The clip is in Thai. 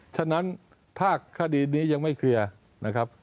ฉะนั้นถ้าคดีนี้ยังไม่เคลียร์